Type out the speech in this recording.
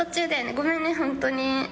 ごめんね、本当に。